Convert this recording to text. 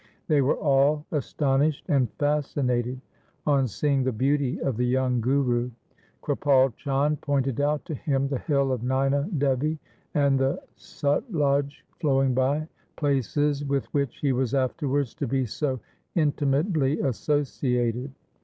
They were all astonished and fascinated on seeing the beauty of the young Guru. Kripal Chand pointed out to him the hill of Naina Devi and the Satluj flowing by, places with which he was afterwards to be so intimately associated.